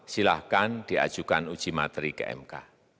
silahkan diajukan uji materi ke mk